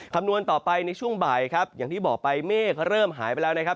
คำนวณต่อไปในช่วงบ่ายครับอย่างที่บอกไปเมฆเริ่มหายไปแล้วนะครับ